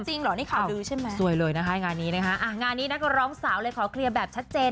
จริงเหรอนี่เขารู้ใช่มะเอ้าสวยเลยนะคะอย่างานี้น่าฮะอ่างานนี้นะคร้องสาวเลยขอเคลียร์แบบชัดเจน